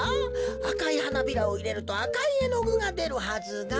あかいはなびらをいれるとあかいえのぐがでるはずが。